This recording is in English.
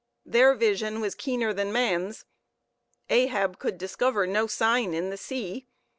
Their vision was keener than man's. Ahab could discover no sign in the sea.